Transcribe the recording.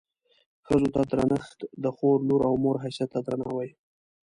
ښځو ته درنښت د خور، لور او مور حیثیت ته درناوی.